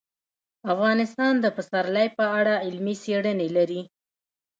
افغانستان د پسرلی په اړه علمي څېړنې لري.